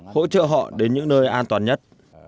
hỗ trợ họ đến những nơi an toàn nhất